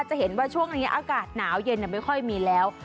จะเห็นว่าช่วงนี้อากาศหนาวเย็นไม่ค่อยมีแล้ว